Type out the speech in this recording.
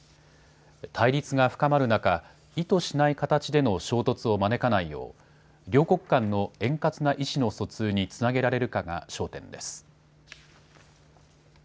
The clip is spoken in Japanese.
対立が深まる中、意図しない形での衝突を招かないよう両国間の円滑な意思の疎通につなげられるかが焦点です。